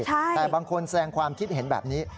แต่บางคนแสดงความคิดเห็นแบบนี้